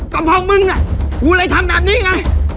ก็เพราะมึงน่ะกูเลยทำแบบนี้ไง